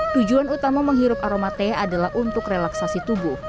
tujuan utama menghirup aroma teh adalah untuk relaksasi tubuh